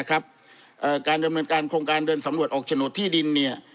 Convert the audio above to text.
การดำเนินการโครงการเดินสำรวจออกโฉนดที่ดิน